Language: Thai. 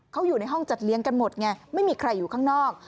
เขาอยู่ในห้องจัดเลี้ยงกันหมดไงไม่มีใครอยู่ข้างนอก